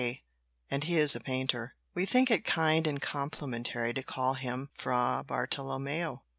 k., and he is a painter. We think it kind and complimentary to call him Fra Bartolomeo."